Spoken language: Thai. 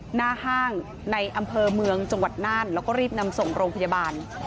หน้าห้างในอำเภอเมืองจังหวัดน่านแล้วก็รีบนำส่งโรงพยาบาล